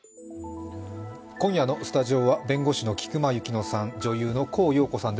今夜のスタジオは、弁護士の菊間千乃さん。